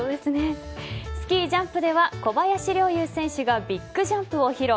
スキージャンプでは小林陵侑選手がビッグジャンプを披露。